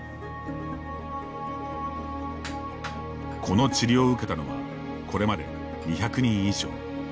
この治療を受けたのはこれまで２００人以上。